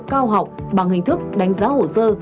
cao học bằng hình thức đánh giá hổ sơ